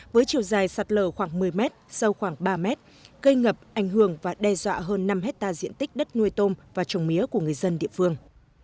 với chiều dài sạt lở khoảng một mươi mét sâu khoảng ba mét gây ngập ảnh hưởng và đe dọa hơn năm hectare diện tích đất nuôi tôm và trồng mía của người dân địa phương